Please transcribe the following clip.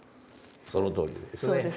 そのとおりですね。